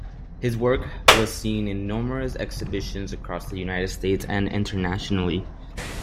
His work was seen in numerous exhibitions across the United States and internationally.